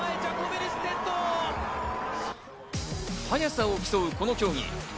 速さを競うこの競技。